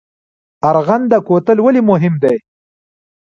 ارغنده کوتل ولې مهم دی؟